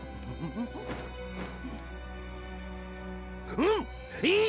うんいい！